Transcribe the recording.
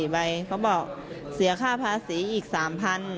๔ใบเขาบอกเสียค่าภาษีอีก๓๐๐บาท